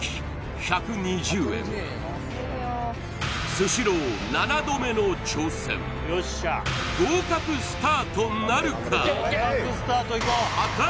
スシロー７度目の挑戦合格スタートなるか？